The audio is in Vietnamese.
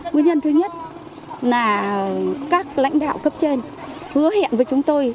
nguyên nhân thứ nhất là các lãnh đạo cấp trên hứa hẹn với chúng tôi